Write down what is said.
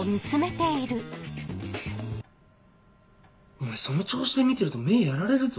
お前その調子で見てると目やられるぞ。